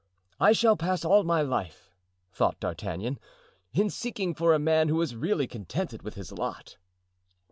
"I shall pass all my life," thought D'Artagnan, "in seeking for a man who is really contented with his lot."